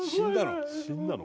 死んだの？